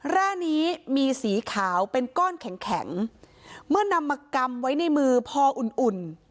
แร่นี้มีสีขาวเป็นก้อนแข็งแข็งเมื่อนำมากำไว้ในมือพออุ่นอุ่น